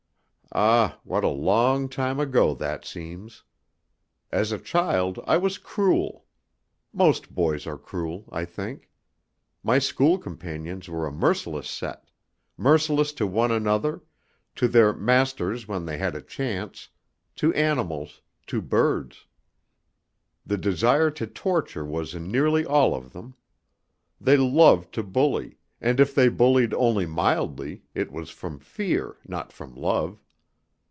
Ah! what a long time ago that seems! As a child I was cruel. Most boys are cruel, I think. My school companions were a merciless set merciless to one another, to their masters when they had a chance, to animals, to birds. The desire to torture was in nearly all of them. They loved to bully, and if they bullied only mildly, it was from fear, not from love.